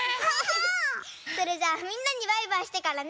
それじゃあみんなにバイバイしてからね。